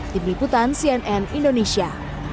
tim liputan cnn indonesia